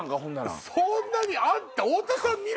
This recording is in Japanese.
そんなにあんた多田さん